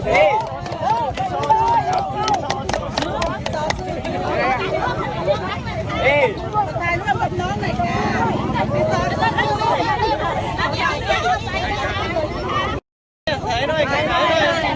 สวัสดีสวัสดีครับ